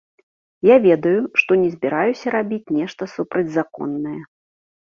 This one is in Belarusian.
Я ведаю, што не збіраюся рабіць нешта супрацьзаконнае.